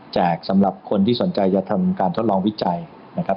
สำหรับคนที่สนใจจะทำการทดลองวิจัยนะครับ